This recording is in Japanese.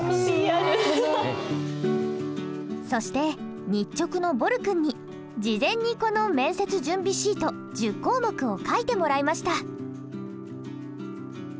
そして日直のぼる君に事前にこの面接準備シート１０項目を書いてもらいました。